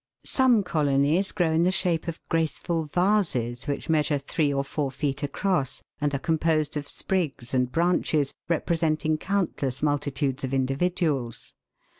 Some colonies grow in the shape of graceful vases, which measure three or four feet across, and are composed of sprigs and branches representing countless multitudes of individuals.